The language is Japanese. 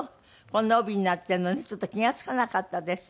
こんな帯になってるのねちょっと気が付かなかったです。